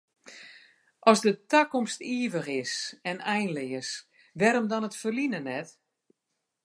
As de takomst ivich is en einleas, wêrom dan it ferline net?